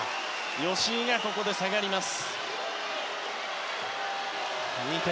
吉井がここで下がります。